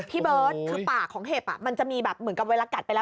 พี่เบิร์ตคือปากของเห็บมันจะมีแบบเหมือนกับเวลากัดไปแล้ว